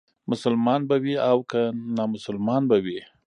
مسلمان به وي او که نامسلمان به وي.